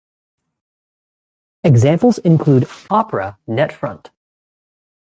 Examples include Opera and NetFront.